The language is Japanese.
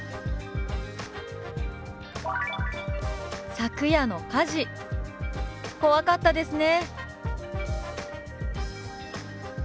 「昨夜の火事怖かったですね」。